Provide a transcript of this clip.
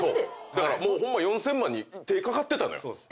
もうホンマ４，０００万に手ぇ掛かってたのよ。